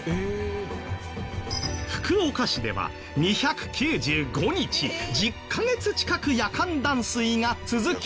福岡市では２９５日１０カ月近く夜間断水が続き。